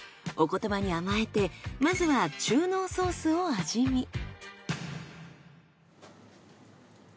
お言葉に甘えてまずは中濃ソースを味見。